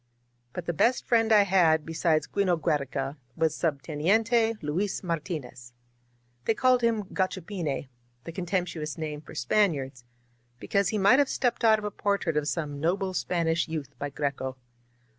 But the best friend I had beside 'Gino Giiereca was Subteniente Luis Martinez. They called him Gachvr pine — the contemptuous name for Spaniards — ^be cause he might have stepped out of a portrait of some noble Spanish youth by Greco.